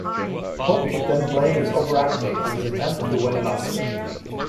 Hope would then blame his overacting on his attempt to win an Oscar.